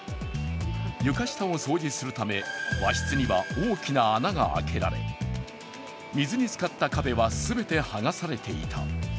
床下を掃除するため、和室には大きな穴が開けられ、水につかった壁は全て剥がされていた。